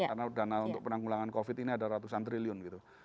karena dana untuk penanggulangan covid ini ada ratusan triliun gitu